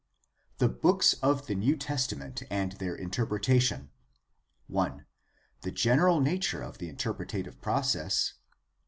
The Books of the New Testament and Their Interpretation. 1. The general nature of the interpretative process. 2.